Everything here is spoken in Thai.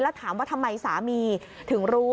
แล้วถามว่าทำไมสามีถึงรู้